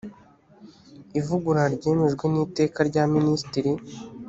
ivugurura ryemejwe n’iteka rya minisitiri